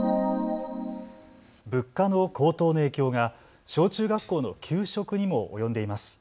物価の高騰の影響が小中学校の給食にも及んでいます。